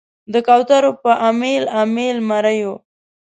د کوترو په امیل، امیل مریو